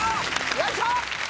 よいしょ！